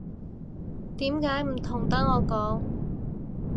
點解唔同得我講